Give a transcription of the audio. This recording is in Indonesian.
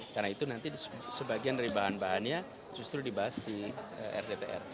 karena itu nanti sebagian dari bahan bahannya justru dibahas di rttr